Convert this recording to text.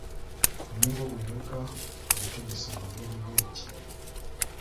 Omwenge ogwo yaleka agutegese mu ngeri bw’eti